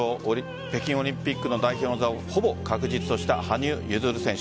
北京オリンピックの代表の座をほぼ確実とした羽生結弦選手。